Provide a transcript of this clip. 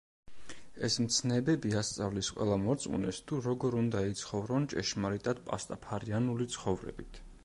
ეს მცნებები ასწავლის ყველა მორწმუნეს თუ როგორ უნდა იცხოვრონ ჭეშმარიტად პასტაფარიანული ცხოვრებით.